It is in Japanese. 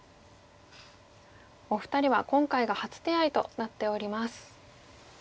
お二人は今回が初手合となっております。